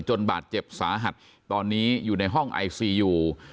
บาดเจ็บสาหัสตอนนี้อยู่ในห้องไอซียู